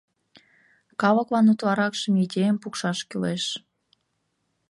— Калыклан утларакшым идейым пукшаш кӱлеш.